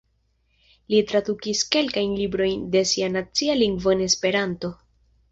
Li tradukis kelkajn librojn de sia nacia lingvo en Esperanton.